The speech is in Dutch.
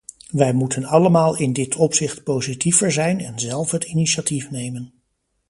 Wij moeten allemaal in dit opzicht positiever zijn en zelf het initiatief nemen.